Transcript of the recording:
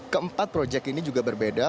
keempat proyek ini juga berbeda